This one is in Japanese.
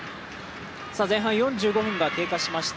前半４５分が経過しました。